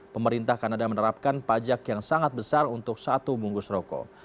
pemerintah kanada menerapkan pajak yang sangat besar untuk satu bungkus rokok